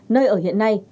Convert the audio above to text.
nơi ở hiện nay